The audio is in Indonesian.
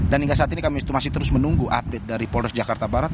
dan hingga saat ini kami masih terus menunggu update dari polres jakarta barat